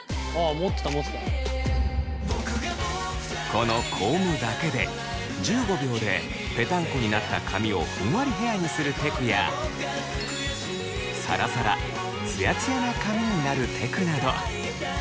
このコームだけで１５秒でぺたんこになった髪をふんわりヘアにするテクやサラサラツヤツヤな髪になるテクなど。